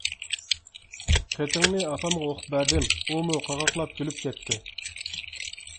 خېتىڭنى ئاپامغا ئوقۇپ بەردىم، ئۇمۇ قاقاقلاپ كۈلۈپ كەتتى.